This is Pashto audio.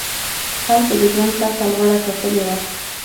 خلکو د ژوند سطح لوړه ټاکلې وه.